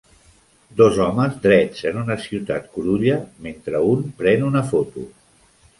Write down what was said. Dos homes drets en una ciutat curulla mentre un pren una foto